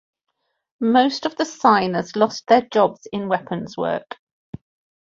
Most of the signers lost their jobs in weapons work.